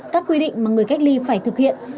các quy định mà người cách ly phải thực hiện